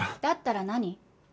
だったら何？